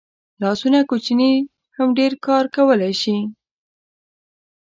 لاسونه کوچني هم ډېر کار کولی شي